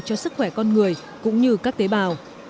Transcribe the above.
cho sức khỏe con người cũng như các tế bào